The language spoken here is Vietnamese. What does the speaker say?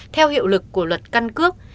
theo hiệu lực của luật căn cước